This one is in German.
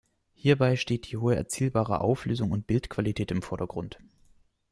Hierbei steht die hohe erzielbare Auflösung und Bildqualität im Vordergrund.